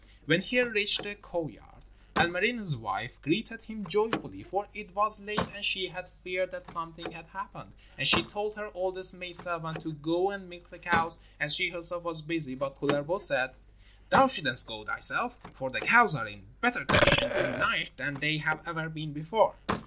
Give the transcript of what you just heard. When he reached the cow yard, Ilmarinen's wife greeted him joyfully, for it was late and she had feared that something had happened. And she told her oldest maid servant to go and milk the cows as she herself was busy. But Kullervo said: 'Thou shouldst go thyself, for the cows are in better condition to night than they have ever been before.'